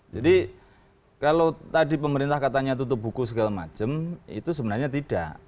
jadi kalau tadi pemerintah katanya tutup buku segala macam itu sebenarnya tidak